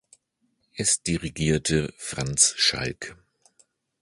Es dirigierte Franz Schalk.